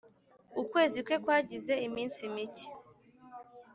ukwezi kwe kwagize iminsi mike